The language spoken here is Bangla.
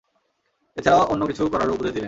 এছাড়া অন্য কিছু করারও উপদেশ দিলেন।